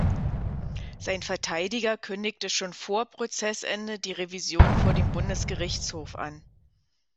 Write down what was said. Sein Verteidiger kündigte schon vor Prozessende die Revision vor dem Bundesgerichtshof an.